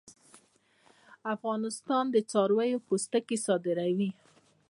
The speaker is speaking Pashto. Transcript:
افغانستان د څارویو پوستکي صادروي